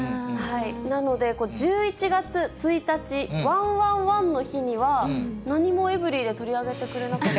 なので、１１月１日、ワンワンワンの日には、何もエブリィで取り上げてくれなかった。